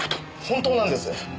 本当なんです。